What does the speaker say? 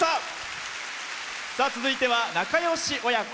続いては仲よし親子。